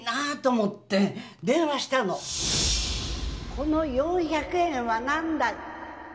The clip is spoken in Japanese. この４００円は何だい？